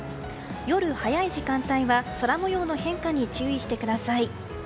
夜早い時間帯は空模様の変化に注意してください。